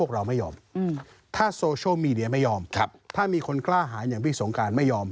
เราไม่ยอมถ้าโซเชียลมีเดียไม่ยอมถ้ามีคนกล้าหารอย่างพี่สงการไม่ยอม